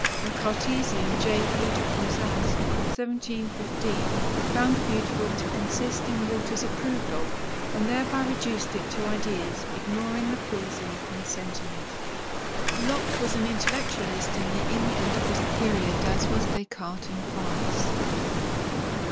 The Cartesian J.P. de Crousaz (1715) found the beautiful to consist in what is approved of, and thereby reduced it to ideas, ignoring the pleasing and sentiment. Locke was as intellectualist in the England of this period as was Descartes in France.